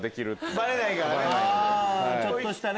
バレないからね。